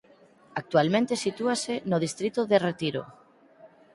Actualmente sitúase no distrito de Retiro.